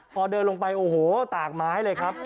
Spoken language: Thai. พอเดินลงไปโอ้โหตากไม้เลยครับ